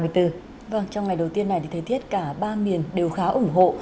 trong ngày đầu tiên này thì thời tiết cả ba miền đều khá ủng hộ